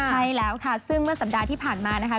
ใช่แล้วค่ะซึ่งเมื่อสัปดาห์ที่ผ่านมานะคะ